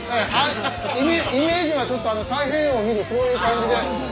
イメージはちょっと太平洋を見るそういう感じで。